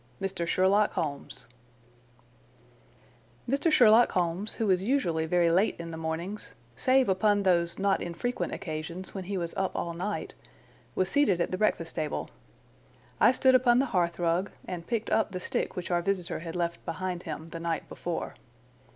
Mr. Sherlock Holmes Mr. Sherlock Holmes, who was usually very late in the mornings, save upon those not infrequent occasions when he was up all night, was seated at the breakfast table. I stood upon the hearth rug and picked up the stick which our visitor had left behind him the night before.